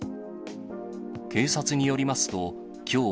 警察によりますと、きょう、